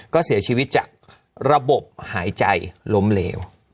ก็เสียชีวิตจากระบบหายใจล้มเหลว